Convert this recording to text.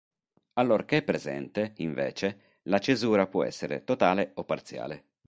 Allorché presente, invece, la cesura può essere "totale" o "parziale".